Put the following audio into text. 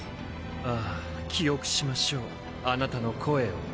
あぁ記憶しましょうあなたの声を。